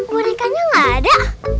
bonekanya gak ada